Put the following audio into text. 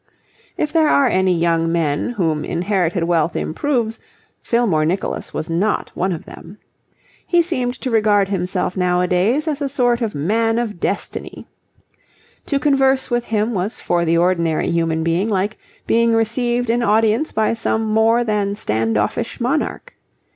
If there are any young men whom inherited wealth improves, Fillmore Nicholas was not one of them. He seemed to regard himself nowadays as a sort of Man of Destiny. To converse with him was for the ordinary human being like being received in audience by some more than stand offish monarch.